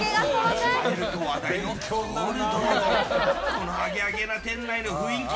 このアゲアゲな店内の雰囲気。